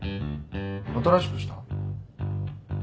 新しくした？